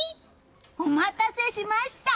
お待たせしました！